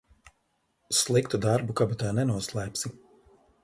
Sliktu darbu kabatā nenoslēpsi.